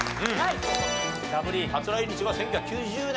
初来日は１９９０年。